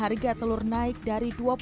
kalau yang kakak telur masuk ngirim